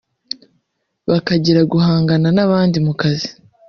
Bakagira guhangana n’abandi mu kazi